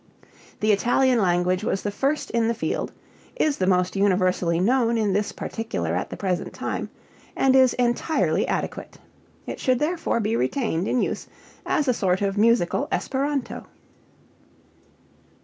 The Italian language was the first in the field, is the most universally known in this particular at the present time, and is entirely adequate. It should therefore be retained in use as a sort of musical Esperanto.